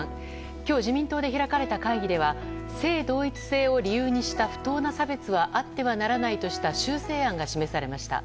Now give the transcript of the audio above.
今日、自民党で開かれた会議では性同一性を理由にした不当な差別はあってはならないとした修正案が示されました。